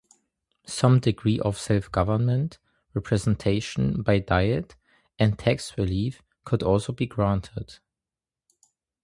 Some degree of self-government, representation by diet, and tax-relief could also be granted.